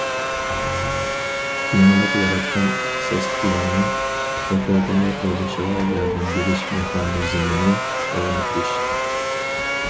يېڭىلىق ياراتقان ئىختىساسلىقلارنىڭ ھوقۇقىنى قوغدىشىغا ياردەم بېرىش مېخانىزمىنى ئورنىتىش.